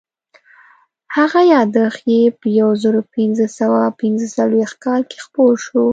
هغه یادښت یې په یو زرو پینځه سوه پینځه څلوېښت کال کې خپور شو.